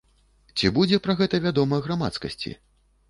Ці будзе пра гэта вядома грамадскасці?